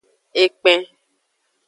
Ekpen.